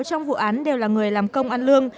trong vụ án đều là người làm công ăn lương